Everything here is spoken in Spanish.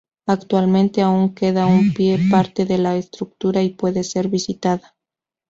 Actualmente aún queda en pie parte de la estructura y puede ser visitada.